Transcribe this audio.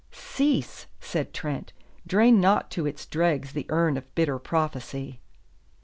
"Cease!" said Trent. "Drain not to its dregs the urn of bitter prophecy.